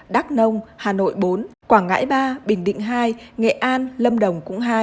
đắk nông hà nội bốn quảng ngãi ba bình định hai nghệ an lâm đồng cũng hai